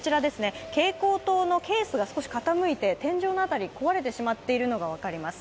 蛍光灯のケースが少し傾いて、天井の辺り壊れてしまっているのが分かります。